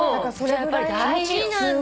やっぱり大事なんだ。